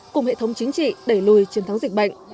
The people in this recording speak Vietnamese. cùng hệ thống chính trị đẩy lùi chiến thắng dịch bệnh